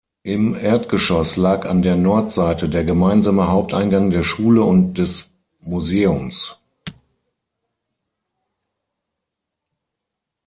Im Erdgeschoss lag an der Nordseite der gemeinsame Haupteingang der Schule und des Museums.